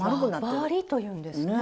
輪針というんですね。